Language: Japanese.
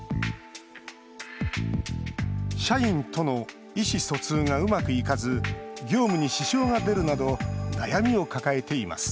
社員との意思疎通がうまくいかず業務に支障が出るなど悩みを抱えています